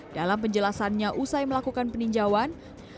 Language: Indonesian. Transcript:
dalam penjelasannya usai melakukan peninjauan